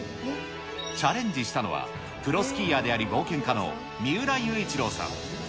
チャレンジしたのは、プロスキーヤーであり冒険家の三浦雄一郎さん。